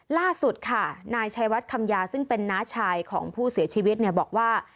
ล่าสุดค่ะนายชัยวัดคำยาซึ่งเป็นน้าชายของผู้เสียชีวิตเนี่ยบอกว่า